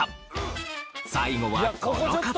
最後はこの方。